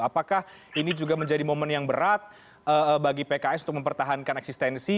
apakah ini juga menjadi momen yang berat bagi pks untuk mempertahankan eksistensi